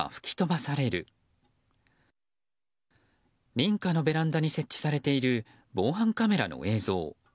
民家のベランダに設置されている防犯カメラの映像。